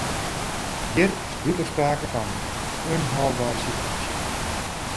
Hjir is dúdlik sprake fan in ûnhâldbere situaasje.